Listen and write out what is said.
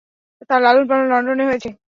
তার লালনপালন লন্ডনে হয়েছে।